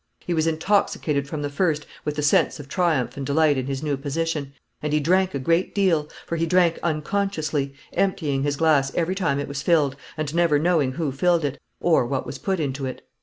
He was intoxicated from the first with the sense of triumph and delight in his new position; and he drank a great deal, for he drank unconsciously, emptying his glass every time it was filled, and never knowing who filled it, or what was put into it.